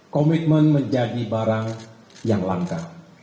komitmen menjadi barang yang langka